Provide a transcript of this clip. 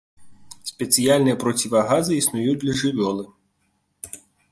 Спецыяльныя процівагазы існуюць для жывёлы.